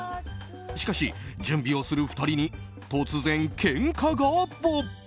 しかし、準備をする２人に突然けんかが勃発。